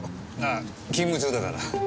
あ勤務中だから。